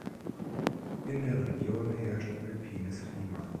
In der Region herrscht Alpines Klima.